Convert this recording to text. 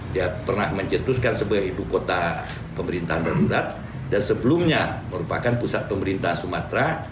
dia pernah mencetuskan sebagai ibu kota pemerintahan darurat dan sebelumnya merupakan pusat pemerintahan sumatera